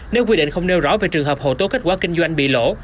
nếu quy định không nêu rõ về trường hợp hộ tố kết quả kinh doanh bị lỗ